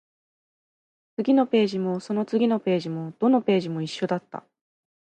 次のページも、その次のページも、どのページも一緒だった